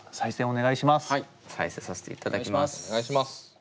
お願いします。